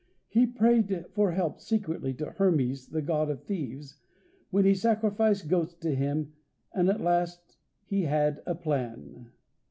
He prayed for help secretly to Hermes, the God of Thieves, when he sacrificed goats to him, and at last he had a plan.